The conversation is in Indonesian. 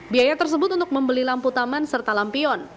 biaya tersebut untuk membeli lampu taman serta lampion